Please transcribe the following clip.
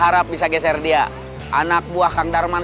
nanti saya akan datang getaran